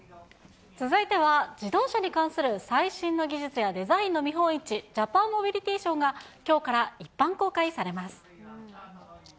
続いては、自動車に関する最新の技術やデザインの見本市、ジャパンモビリティショーが、きょうから一般公開されます。